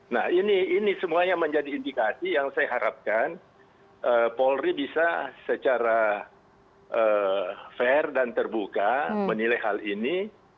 nah ini semuanya menjadi indikasi yang saya harapkan polri bisa secara fair dan terbuka menilai hal ini